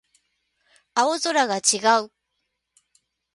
青空が違う